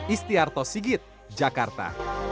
istiarto sigit jakarta